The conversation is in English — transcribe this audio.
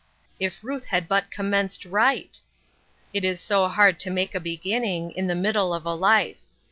If Ruth had but commenced right I It is so hard to make a beginning, in the middle of a life.